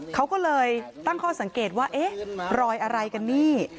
เขาก็เลยตั้งข้อสังเกตว่าเอ๊ะรอยอะไรกันนี่